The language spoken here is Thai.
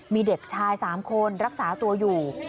มีเด็กชาย๓คนรักษาตัวอยู่